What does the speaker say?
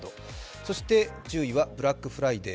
そして１０位はブラックフライデー。